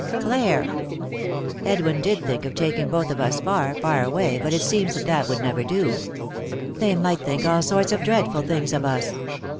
"Clare 1" "Edwin did think of taking both of us far, far away, but it seems that that would never do. They might think all sorts of dreadful things of us.